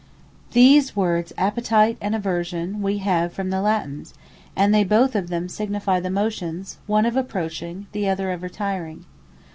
These words Appetite, and Aversion we have from the Latines; and they both of them signifie the motions, one of approaching, the other of retiring.